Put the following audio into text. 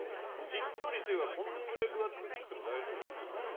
しっとりしてるからこんだけぶ厚く切っても大丈夫。